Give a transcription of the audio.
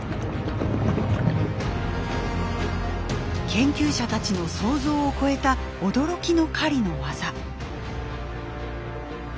研究者たちの想像を超えた驚きの狩りのワザ。